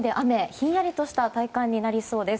ひんやりとした体感になりそうです。